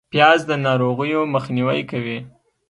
پیاز د ناروغیو مخنیوی کوي